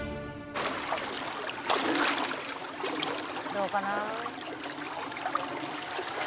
「どうかな？」